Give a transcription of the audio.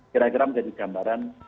kira kira menjadi gambaran